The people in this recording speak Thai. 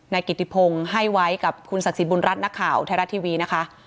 กิติพงศ์ให้ไว้กับคุณศักดิ์สิทธิบุญรัฐนักข่าวไทยรัฐทีวีนะคะ